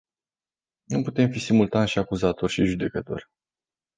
Nu putem fi simultan și acuzator și judecător.